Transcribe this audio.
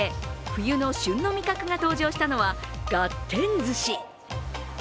冬の旬の味覚が登場したのはがってん寿司。